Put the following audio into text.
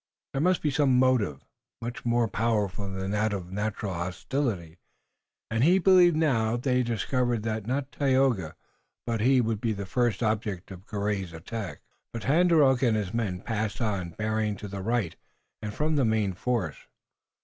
There must be some motive, much more powerful than that of natural hostility, and he believed now if they were discovered that not Tayoga but he would be the first object of Garay's attack. But Tandakora and his men passed on, bearing to the right and from the main force.